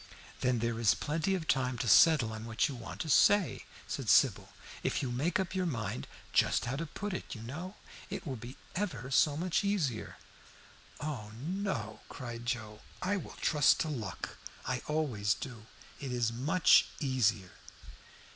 "Then there is plenty of time to settle on what you want to say," said Sybil. "If you make up your mind just how to put it, you know, it will be ever so much easier." "Oh no!" cried Joe. "I will trust to luck. I always do; it is much easier."